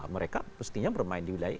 mereka mestinya bermain di wilayah